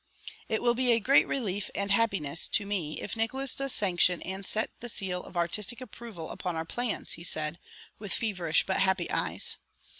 "It will be a great relief and happiness to me if Nickols does sanction and set the seal of artistic approval upon our plans," he said, with feverish but happy eyes.